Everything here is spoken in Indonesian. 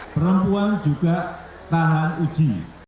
perempuan juga tahan uji